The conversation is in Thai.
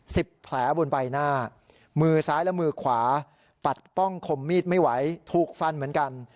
สิบแผลบนใบหน้ามือซ้ายและมือขวาปัดป้องคมมีดไม่ไหวถูกฟันเหมือนกัน